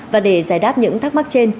và để giải đáp những thắc mắc trên